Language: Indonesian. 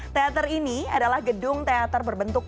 teater ini adalah gedung teater berbentuk